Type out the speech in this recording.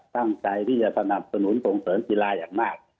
ตั้งใจที่จะสนับสนุนส่งเสริมกีฬาอย่างมาก